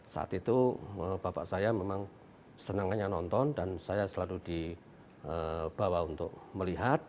waktu itu bapak saya memang senangnya nonton dan saya selalu dibawa untuk melihat